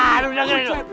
ah lu dengerin lu